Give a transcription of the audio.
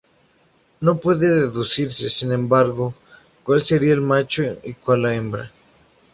No puede deducirse sin embargo, cual sería el macho y cual la hembra.